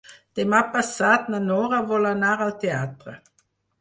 Demà passat na Nora vol anar al teatre.